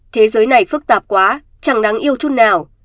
thế giới này phức tạp quá chẳng đáng yêu chút nào